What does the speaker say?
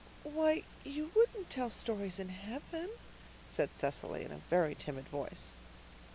"Why, you wouldn't tell stories in heaven," said Cecily, in a very timid voice.